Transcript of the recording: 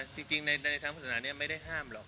จริงในทางพัฒนานี้ไม่ได้ห้ามหรอก